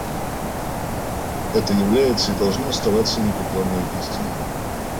Это является и должно оставаться непреклонной истиной.